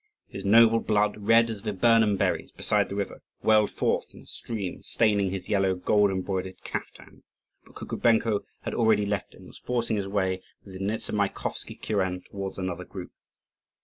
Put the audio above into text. His noble blood, red as viburnum berries beside the river, welled forth in a stream staining his yellow, gold embroidered caftan. But Kukubenko had already left him, and was forcing his way, with his Nezamaikovsky kuren, towards another group.